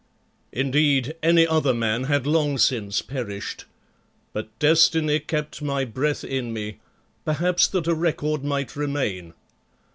Indeed any other man had long since perished, but Destiny kept my breath in me, perhaps that a record might remain.